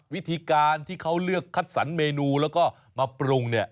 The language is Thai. วิธีการที่เขาเลือกคัดสรรเมนูแล้วก็มาปรุงเนี่ย